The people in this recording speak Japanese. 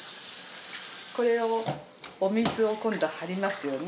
これをお水をはりますよね？